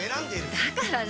だから何？